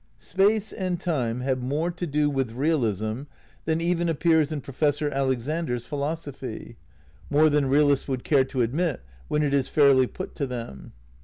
Space and Time have more to do with sion realism than even appears in Professor Alexander's philosophy; more than realists would care to admit when it is fairly put to them.